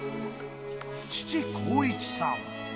父、浩一さん。